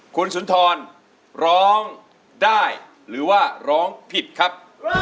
คุณสุนทรร้องได้หรือว่าร้องผิดครับ